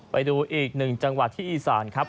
ไปดูอีกหนึ่งจังหวัดที่อีสานครับ